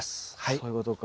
そういうことか。